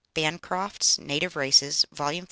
(Bancroft's "Native Races," vol. v.